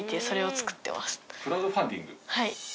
はい。